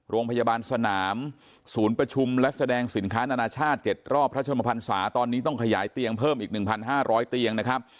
โรงพยาบาลสนามศูนย์ประชุมและแสดงสินค้านานาชาติ๗รอบพระชมพันศาตอนนี้ต้องขยายเตียงเพิ่มอีก๑๕๐๐เตียงนะครับ